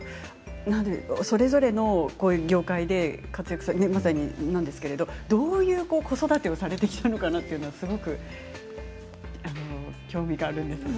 それぞれこの業界で活躍されているんですけれどもどういう子育てをされてきたのかなというのが興味があるんですが。